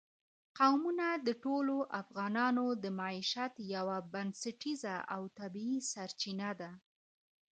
قومونه د ټولو افغانانو د معیشت یوه بنسټیزه او طبیعي سرچینه ده.